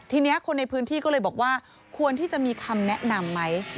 ทีนี้คนในพื้นที่ก็เลยบอกว่าควรที่จะมีคำแนะนำไหม